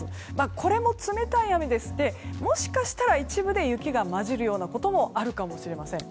これも冷たい雨でしてもしかしたら一部で雪が交じるようなこともあるかもしれません。